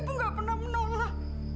ibu gak pernah menolak